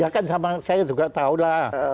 ya kan sama saya juga tahu lah